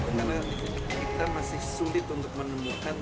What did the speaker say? karena kita masih sulit untuk menemukan